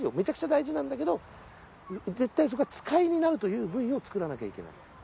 ちゃくちゃ大事なんだけど絶対そこは使いになるというを作らなきゃいけない。